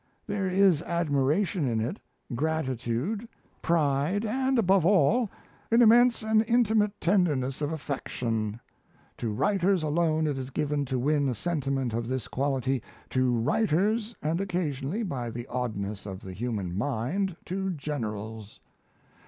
There is admiration in it, gratitude, pride, and, above all, an immense and intimate tenderness of affection. To writers alone it is given to win a sentiment of this quality to writers and occasionally, by the oddness of the human mind, to generals.